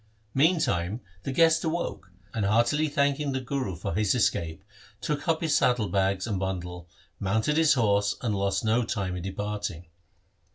Meantime the guest awoke, and heartily thanking the Guru for his escape took up his saddle bags and bundle, mounted his horse, and lost no time in de parting.